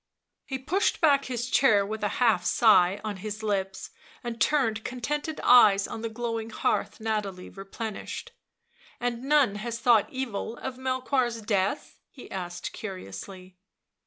He pushed back his chair with a half sigh on his lips, and turned contented eyes on the glowing hearth Nathalie replenished. " And none has thought evil of Melchoir's death ?" he asked curiously.